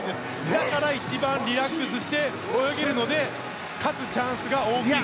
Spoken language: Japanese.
だから一番リラックスして泳げるので勝つチャンスが大きいんだと。